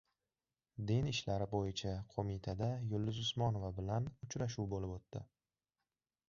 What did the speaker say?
Din ishlari bo‘yicha qo‘mitada Yulduz Usmonova bilan uchrashuv bo‘lib o‘tdi